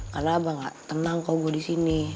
karena abah gak tenang kalo gue di sini